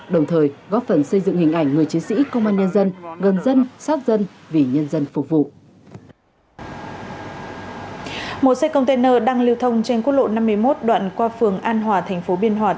đồng thời góp phần xây dựng hình ảnh người chiến sĩ công an nhân dân gần dân sát dân vì nhân dân phục vụ